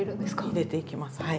入れていきますはい。